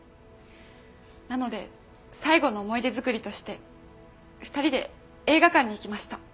なので最後の思い出づくりとして２人で映画館に行きました。